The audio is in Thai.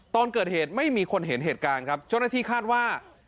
ตอนเกิดเหตุไม่มีคนเห็นเหตุการณ์ครับเจ้าหน้าที่คาดว่า